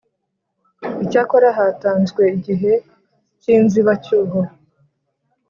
Icyakora hatanzwe igihe k inzibacyuho